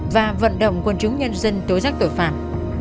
và vận động quân chúng nhân dân tối giác tội phạm